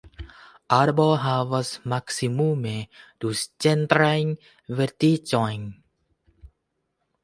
Arbo havas maksimume du centrajn verticojn.